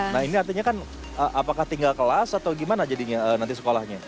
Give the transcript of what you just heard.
nah ini artinya kan apakah tinggal kelas atau gimana jadinya nanti sekolahnya